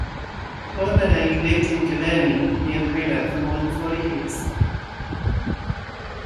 Claude Monet lived at Giverny near the river for more than forty years.